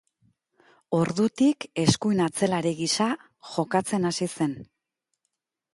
Ordutik, eskuin atzelari gisa jokatzen hasi zen.